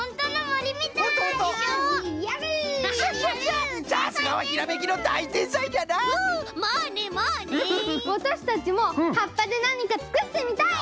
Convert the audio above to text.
わたしたちもはっぱでなにかつくってみたい！